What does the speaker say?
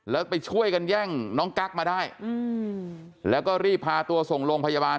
แล้วไปช่วยกันแย่งน้องกั๊กมาได้แล้วก็รีบพาตัวส่งโรงพยาบาล